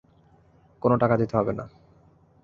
কোনো টাকা দিতে হবে না।